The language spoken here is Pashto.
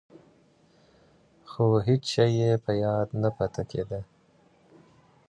خو هېڅ شی یې په یاد نه پاتې کېده.